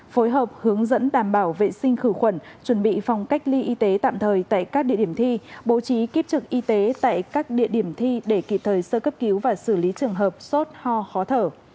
phối hợp hướng dẫn đảm bảo vệ sinh khử khuẩn chuẩn bị phòng cách ly y tế tạm thời tại các địa điểm thi bố trí kiếp trực y tế tại các địa điểm thi để kịp thời sơ cấp cứu và xử lý trường hợp sốt ho khó thở